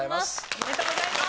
おめでとうございます。